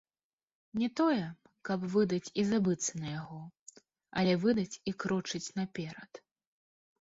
Не тое, каб выдаць і забыцца на яго, але выдаць і крочыць наперад.